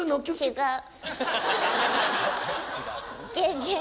違う。